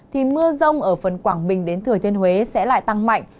thì mưa rông ở phần quảng bình đến thừa thiên huế sẽ lại tăng mạnh